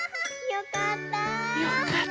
よかった。